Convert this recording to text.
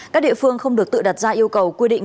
các địa phương không được tự đặt ra yêu cầu quy định